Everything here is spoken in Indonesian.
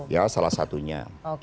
ya salah satunya